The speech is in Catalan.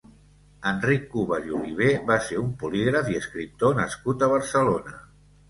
Enric Cubas i Oliver va ser un polígraf i escriptor nascut a Barcelona.